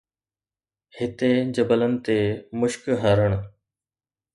هتي جبلن تي مشڪ هرڻ